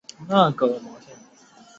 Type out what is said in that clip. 我逃出来